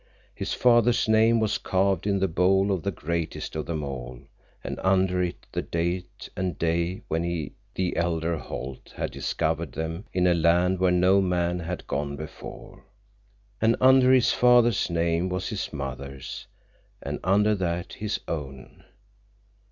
His father's name was carved in the bole of the greatest of them all, and under it the date and day when the elder Holt had discovered them in a land where no man had gone before. And under his father's name was his mother's, and under that, his own.